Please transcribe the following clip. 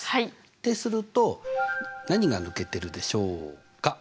ってすると何が抜けてるでしょうか？